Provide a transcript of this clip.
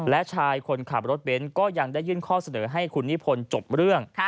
และชายคนขับรถเบนท์ก็ยังได้ยื่นข้อเสนอให้คุณนิพนธ์จบเรื่อง